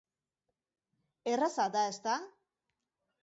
Erraza da, ezta?